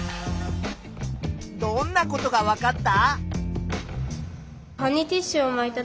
どんなことがわかった？